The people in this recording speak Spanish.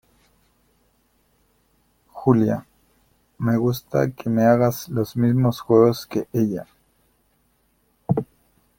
Julia, me gusta que me hagas los mismos juegos que ella.